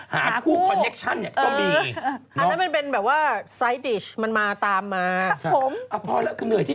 หาคู่คอนเน็กชั่นเนี่ยก็มี